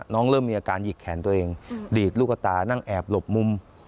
เริ่มมีอาการหยิกแขนตัวเองดีดลูกตานั่งแอบหลบมุม